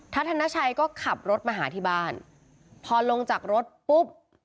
ธนชัยก็ขับรถมาหาที่บ้านพอลงจากรถปุ๊บ